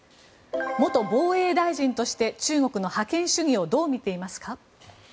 元防衛大臣として中国の覇権主義をどう見ていますか？